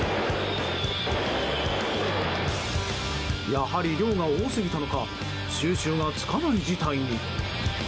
やはり量が多すぎたのか収拾がつかない事態に。